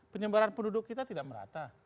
penyebaran penduduk kita tidak merata